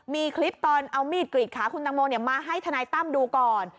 มีคลิปตอนเอามีดกรีดขาคุณตังโมมาให้ทนายตั้มดูก่อน